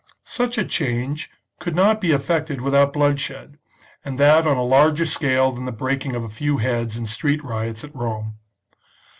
Such a change could not be effected without bloodshed, and that on a larger scale than the breaking of a few heads in street riots at Rome.